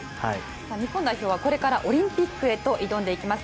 日本代表はこれからオリンピックへと挑んでいきます。